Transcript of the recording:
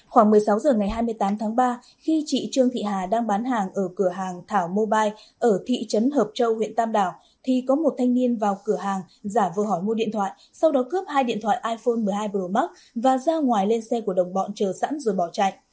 khoảng một mươi sáu h ngày hai mươi tám tháng ba khi chị trương thị hà đang bán hàng ở cửa hàng thảo mobile ở thị trấn hợp châu huyện tam đảo thì có một thanh niên vào cửa hàng giả vừa hỏi mua điện thoại sau đó cướp hai điện thoại iphone một mươi hai pro max và ra ngoài lên xe của đồng bọn chờ sẵn rồi bỏ chạy